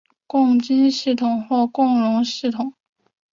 共晶系统或共熔系统。